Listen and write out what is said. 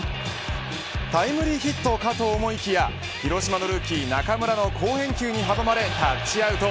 タイムリーヒットかと思いきや広島のルーキー中村の好返球に阻まれタッチアウト。